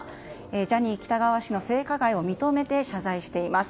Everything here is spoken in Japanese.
ジャニー喜多川氏の性加害を認めて謝罪しています。